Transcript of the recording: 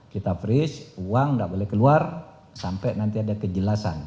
kita freeze uang nggak boleh keluar sampai nanti ada kejelasan